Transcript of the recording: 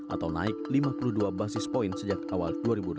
atau naik lima puluh dua basis point sejak awal dua ribu enam belas